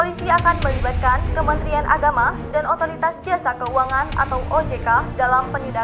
kita pergi nanti ke burus ya